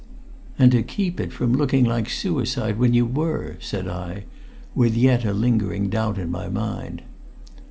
"And to keep it from looking like suicide when you were!" said I, with yet a lingering doubt in my mind.